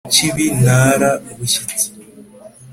Nyakibi ntara bushyitsi